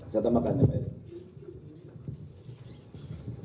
saya tamakannya pak heri